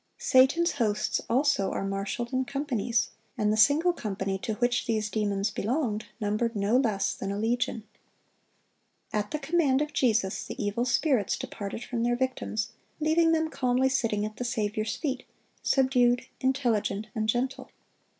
Satan's hosts also are marshaled in companies, and the single company to which these demons belonged numbered no less than a legion. At the command of Jesus, the evil spirits departed from their victims, leaving them calmly sitting at the Saviour's feet, subdued, intelligent, and gentle.